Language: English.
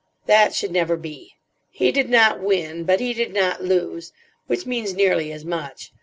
That should never be. He did not win. But he did not lose; which means nearly as much.